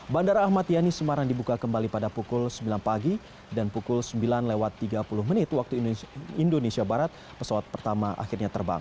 bandara ahmad yani semarang dibuka kembali pada pukul sembilan pagi dan pukul sembilan lewat tiga puluh menit waktu indonesia barat pesawat pertama akhirnya terbang